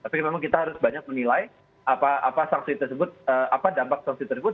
tapi memang kita harus banyak menilai apa sanksi tersebut apa dampak sanksi tersebut